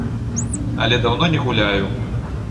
Але даўно не гуляю.